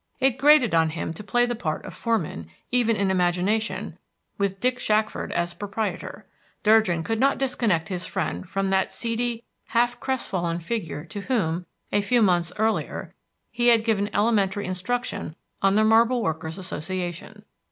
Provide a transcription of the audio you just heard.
It grated on him to play the part of foreman, even in imagination, with Dick Shackford as proprietor. Durgin could not disconnect his friend from that seedy, half crestfallen figure to whom, a few months earlier, he had given elementary instruction on the Marble Workers' Association.